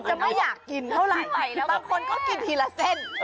เป็นไม่อยากกินเท่าไรบางคนก็กินหนีละเซน